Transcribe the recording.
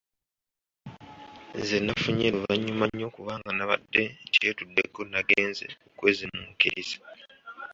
Nze nafunye luvanyuma nnyo kubanga nabadde nkyetuddeko nagenze okwezimuukiriza.